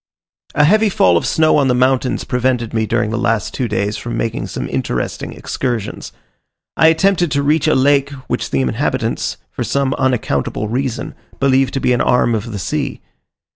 A heavy fall of snow on the mountains prevented me during the last two days, from making some interesting excursions. I attempted to reach a lake which the inhabitants, from some unaccountable reason, believe to be an arm of the sea.